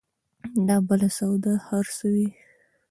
دا بل سودا خرڅوي